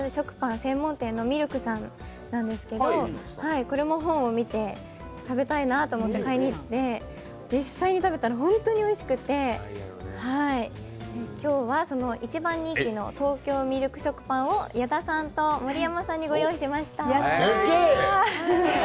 専門店みるくさんなんですけどこれも本を見て、食べたいなと思って買いに行って、実際に食べたら本当においしくて、今日は、その一番人気の東京みるく食パンを矢田さんと盛山さんにご用意いたしました。